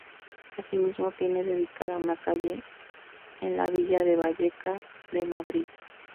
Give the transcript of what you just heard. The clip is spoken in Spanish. Así mismo, tiene dedicada una calle en la Villa de Vallecas de Madrid.